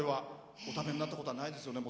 お食べになったことはないですよね？